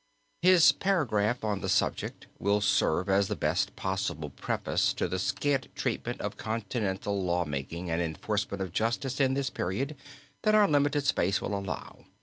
His paragraph on the subject will serve as the best possible preface to the scant treatment of continental law making and enforcement of justice in this period, that our limited space will allow.